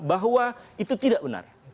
bahwa itu tidak benar